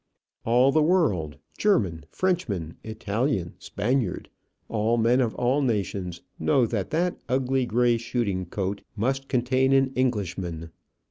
All the world German, Frenchman, Italian, Spaniard all men of all nations know that that ugly gray shooting coat must contain an Englishman.